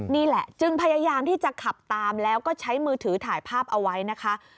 นี่แหละจึงพยายามที่จะขับตามแล้วก็ใช้มือถือถ่ายภาพเอาไว้นะคะ